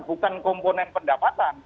bukan komponen pendapatan